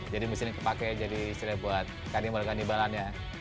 jadi mesin ini kepake jadi istilah buat kandimbal kandimbalan